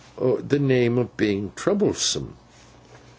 'The name of being troublesome.